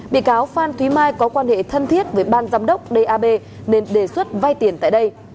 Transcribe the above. bị cáo phan thúy mai có quan hệ thân thiết với ban giám đốc đ a b nên đề xuất vai tiền tại đây